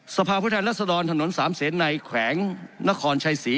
สภาพุทธภัณฑ์รัฐสดรถนน๓เสนในแขวงนครชายศรี